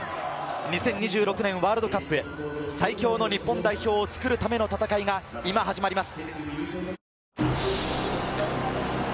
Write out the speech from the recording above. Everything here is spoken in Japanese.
２０２６年ワールドカップへ、最強の日本代表を作るための戦いが今、始まります。